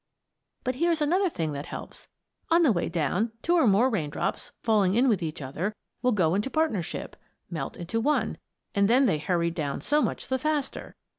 But here's another thing that helps. On the way down two or more raindrops, falling in with each other, will go into partnership melt into one and then they hurry down so much the faster.